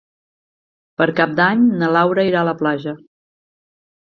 Per Cap d'Any na Laura irà a la platja.